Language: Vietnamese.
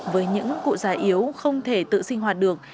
với những cụ già yếu không thể tự sinh hoạt được